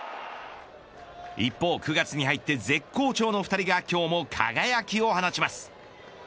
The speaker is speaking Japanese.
一方９月に入って絶好調の２人が今日も輝きを放ちます。